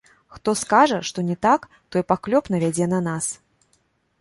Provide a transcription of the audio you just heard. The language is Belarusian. Хто скажа, што не так, той паклёп навядзе на нас.